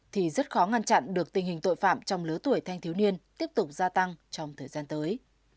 thì rất khó ngăn chặn được tình hình tội phạm trong lứa tuổi thanh thiếu niên tiếp tục gia tăng trong thời gian tới